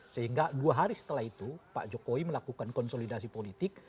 sehingga dua hari setelah itu pak jokowi melakukan konsolidasi politik